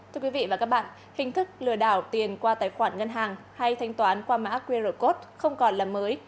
thưa quý vị và các bạn hình thức lừa đảo tiền qua tài khoản ngân hàng hay thanh toán qua mã qr code không còn là mới